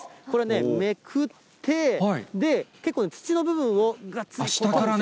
これね、めくって、結構、土の部分をがっつり。